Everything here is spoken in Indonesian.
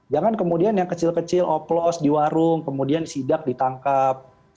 jangan kemudian yang kecil kecil oplos di warung kemudian sidak ditangkap